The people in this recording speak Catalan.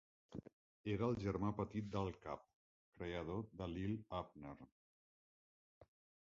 Era el germà petit d'Al Capp, creador de "Li'l Abner".